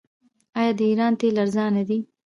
آیا د ایران تیل ارزانه دي؟